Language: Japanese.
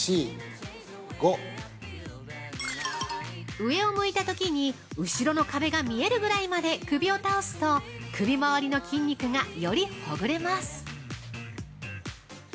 ◆上を向いたときに後ろの壁が見えるぐらいまで首を倒すと首回りの筋肉がよりほぐれます。